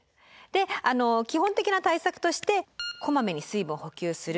基本的な対策としてこまめに水分を補給する。